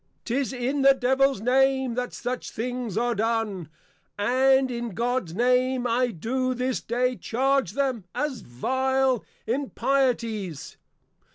'Tis in the Devils Name, that such things are done; and in Gods Name I do this day charge them, as vile Impieties.